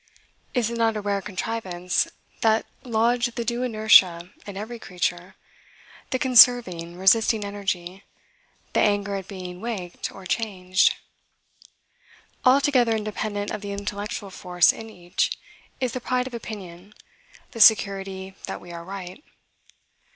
Is it not a rare contrivance that lodged the due inertia in every creature, the conserving, resisting energy, the anger at being waked or changed? Altogether independent of the intellectual force in each, is the pride of opinion, the security that we are right.